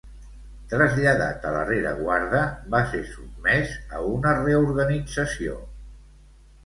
Traslladat a la rereguarda, va ser sotmès a una reorganització.